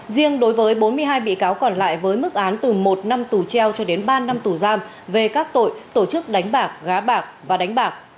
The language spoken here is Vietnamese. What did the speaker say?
riêng đối với bốn mươi hai bị cáo còn lại với mức án từ một năm tù treo cho đến ba năm tù giam về các tội tổ chức đánh bạc gá bạc và đánh bạc